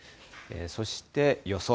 そして予想